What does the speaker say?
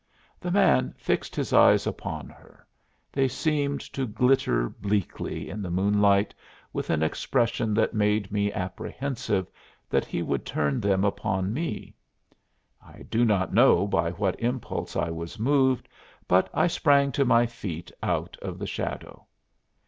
The man fixed his eyes upon her; they seemed to glitter bleakly in the moonlight with an expression that made me apprehensive that he would turn them upon me. I do not know by what impulse I was moved, but I sprang to my feet out of the shadow.